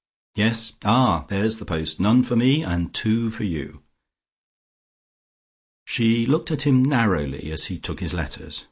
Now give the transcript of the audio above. "Yes. Ah, there's the post. None for me, and two for you." She looked at him narrowly as he took his letters.